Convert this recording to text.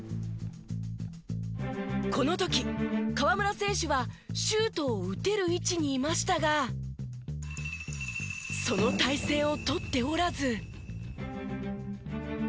この時河村選手はシュートを打てる位置にいましたがその体勢をとっておらず。